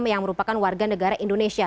yang merupakan warga negara indonesia